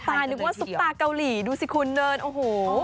นึกว่าซุปตาเกาหลีดูสิคุณเนินโอ้โห